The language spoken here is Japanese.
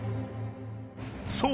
［そう！